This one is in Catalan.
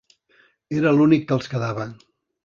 Era l'únic que els quedava.